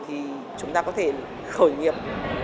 thì chúng ta có thể khởi nghiệp